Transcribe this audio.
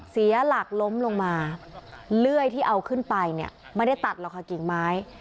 เสียหลักล้มลงมาเลื่อยที่เอาขึ้นไปเนี่ยไม่ได้ตัดหรอกค่ะกิ่งไม้